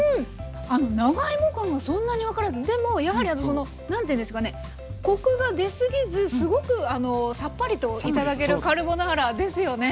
あの長芋感がそんなに分からずでもやはりその何ていうんですかねコクが出過ぎずすごくさっぱりと頂けるカルボナーラですよね。